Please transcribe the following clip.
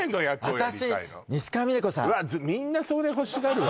私わあみんなそれ欲しがるわよ